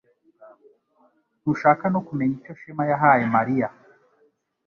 Ntushaka no kumenya icyo Shema yahaye Mariya